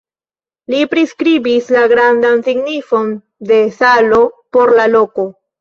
Li priskribis la grandan signifon de salo por la loko.